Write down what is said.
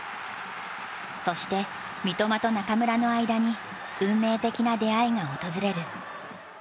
そして三笘と中村の間に運命的な出会いが訪れる。